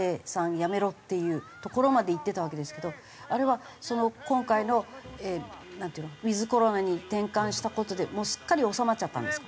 辞めろっていうところまでいってたわけですけどあれは今回のなんていうのウィズコロナに転換した事でもうすっかり収まっちゃったんですか？